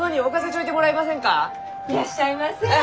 いらっしゃいませ！